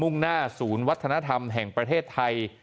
่งหน้าศูนย์วัฒนธรรมแห่งประเทศไทย